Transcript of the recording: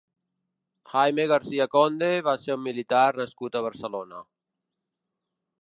Jaime García Conde va ser un militar nascut a Barcelona.